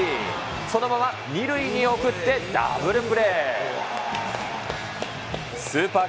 そのまま２塁に送って、ダブルプレー。